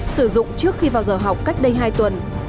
sử dụng trước khi vào giờ học cách đây hai tuần